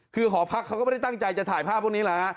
คือหอพักเขาก็ไม่ได้ตั้งใจจะถ่ายภาพพวกนี้หรอกนะ